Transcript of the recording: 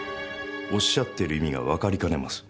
おっしゃってる意味がわかりかねます。